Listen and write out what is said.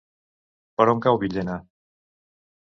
Per on cau Villena?